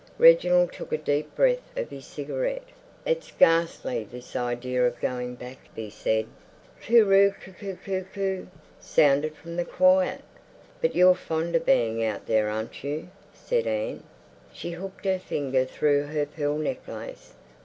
Reginald took a deep breath of his cigarette. "It's ghastly, this idea of going back," he said. "Coo roo coo coo coo," sounded from the quiet. "But you're fond of being out there, aren't you?" said Anne. She hooked her finger through her pearl necklace.